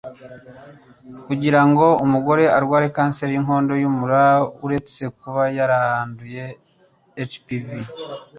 Kugira ngo umugore arware kanseri y'inkondo y'umura, uretse kuba yaranduye virusi HPV